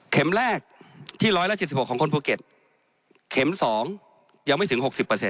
แรกที่๑๗๖ของคนภูเก็ตเข็ม๒ยังไม่ถึง๖๐